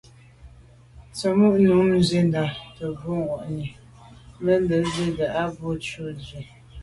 Tsə̀mô' nǔm zí'də́ tɔ̌ bû'ŋwànì mə̀ mə̀ ŋgə́ zí'də́ á bû jû tswì.